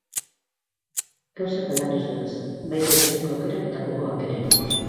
Gauzak aldatuz doaz, baita ikasteko aukerak eta gogoak ere.